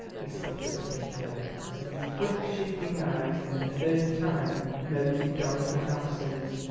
he sputtered thickly as his quick shifting eyes for the first time noted Dorothy's absence.